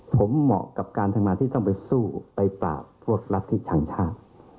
ผมเหมาะกับการทำงานที่ต้องไปสู้ไปปราบพวกรัฐที่ชังชาติ